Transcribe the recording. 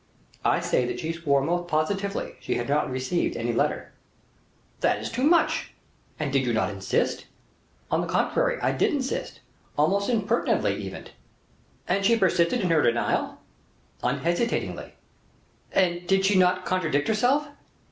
"I say that she swore most positively she had not received any letter." "That is too much. And did you not insist?" "On the contrary, I did insist, almost impertinently even." "And she persisted in her denial?" "Unhesitatingly." "And did she not contradict herself?"